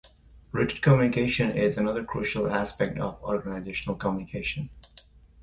Written communication is another crucial aspect of organizational communication.